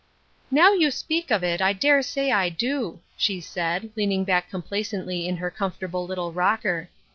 " Now you speak of it, I dare say I do," she said, leaning back complacently in her comfort able little rocker.